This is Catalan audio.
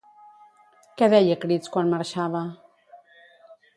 Què deia a crits quan marxava?